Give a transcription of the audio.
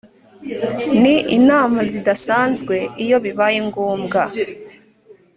n inama zidasanzwe iyo bibaye ngombwa